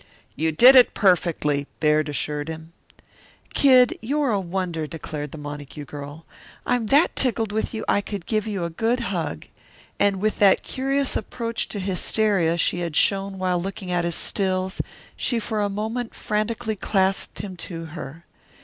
"You did it perfectly," Baird assured him. "Kid, you're a wonder," declared the Montague girl. "I'm that tickled with you I could give you a good hug," and with that curious approach to hysteria she had shown while looking at his stills, she for a moment frantically clasped him to her.